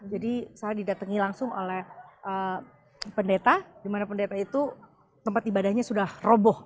jadi saya didatangi langsung oleh pendeta dimana pendeta itu tempat ibadahnya sudah roboh